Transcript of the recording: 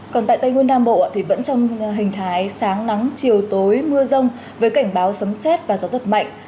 còn tại tây nguyên nam bộ thì vẫn trong hình thái sáng nắng chiều tối mưa rông với cảnh báo sấm xét và gió giật mạnh